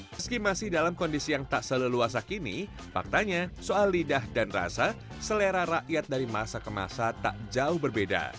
meski masih dalam kondisi yang tak seleluasa kini faktanya soal lidah dan rasa selera rakyat dari masa ke masa tak jauh berbeda